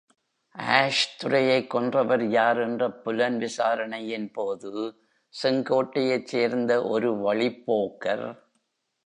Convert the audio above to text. Ash துரையைக் கொன்றவர் யார் என்ற புலன் விசாரணையின் போது, செங்கோட்டையைச் சேர்ந்த ஒரு வழிப்போக்கர்.